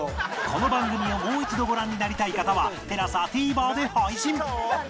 この番組をもう一度ご覧になりたい方は ＴＥＬＡＳＡＴＶｅｒ で配信